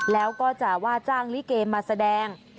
แล้วก็จะว่าจ้างลิเกมาแสดง